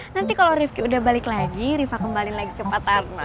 nanti kalau rifki udah balik lagi rifa kembali lagi ke pak tarno